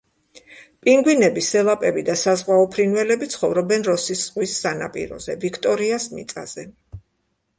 პინგვინები, სელაპები და საზღვაო ფრინველები ცხოვრობენ როსის ზღვის სანაპიროზე, ვიქტორიას მიწაზე.